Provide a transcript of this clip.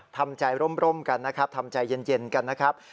ทำใจร่มกันนะครับทำใจเย็นกันนะครับ